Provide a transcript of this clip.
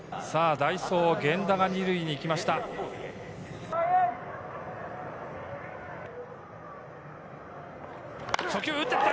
代走・源田が２塁に行きました。